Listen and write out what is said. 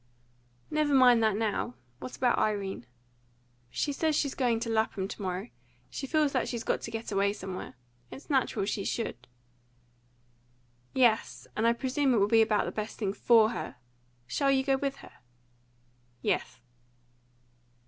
"Never mind that now. What about Irene?" "She says she's going to Lapham to morrow. She feels that she's got to get away somewhere. It's natural she should." "Yes, and I presume it will be about the best thing FOR her. Shall you go with her?" "Yes."